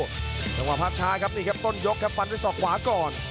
จังหวะภาพชายครับต้นยกฟันด้วยสอบขวาก่อน